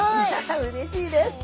うれしいです。